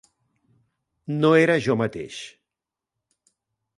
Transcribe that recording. No era jo mateix.